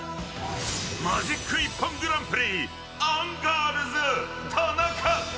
マジック一本グランプリアンガールズ田中。